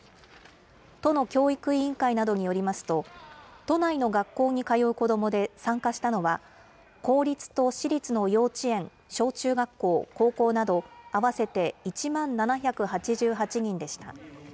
都の教育委員会などによりますと、都内の学校に通う子どもで参加したのは、公立と私立の幼稚園、小中学校、高校など、合わせて１万７８８人でした。